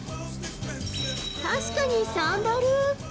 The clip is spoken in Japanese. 確かにサンダル。